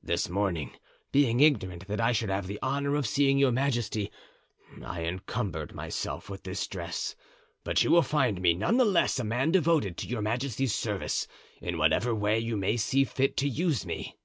This morning, being ignorant that I should have the honor of seeing your majesty, I encumbered myself with this dress, but you will find me none the less a man devoted to your majesty's service, in whatever way you may see fit to use me."